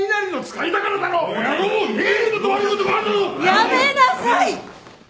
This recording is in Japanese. やめなさい！